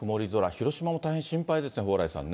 広島も大変心配ですね、蓬莱さんね。